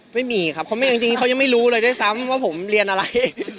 ไม่มีครับจริงเขายังไม่รู้เลยด้วยซ้ำว่าผมเรียนอะไร